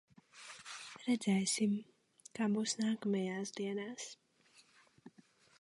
Redzēsim, kā būs nākamajās dienās.